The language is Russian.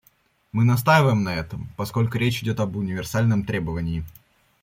Мы настаиваем на этом, поскольку речь идет об универсальном требовании.